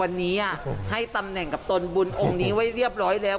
วันนี้ให้ตำแหน่งกับตนบุญองค์นี้ไว้เรียบร้อยแล้ว